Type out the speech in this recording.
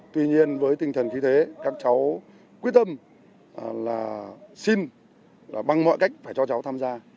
tuy nhiên với tinh thần khí thế các cháu quyết tâm là xin bằng mọi cách phải cho cháu tham gia